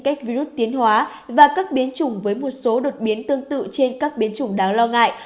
các virus tiến hóa và các biến chủng với một số đột biến tương tự trên các biến chủng đáng lo ngại